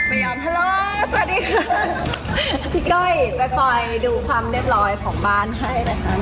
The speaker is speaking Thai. ฮัลโหลสวัสดีค่ะพี่ก้อยจะคอยดูความเรียบร้อยของบ้านให้นะครับ